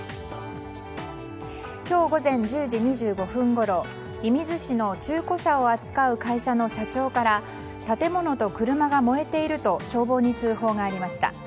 今日午前１０時２５分ごろ射水市の中古車を扱う会社の社長から建物と車が燃えていると消防に通報がありました。